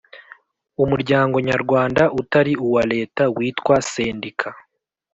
umuryango nyarwanda utari uwa Leta witwa sendika